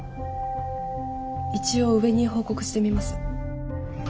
一応上に報告してみます。